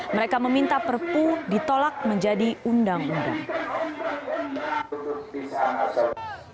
mereka meminta perpu ditolak menjadi undang undang